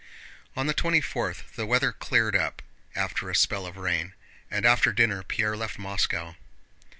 On the twenty fourth the weather cleared up after a spell of rain, and after dinner Pierre left Moscow.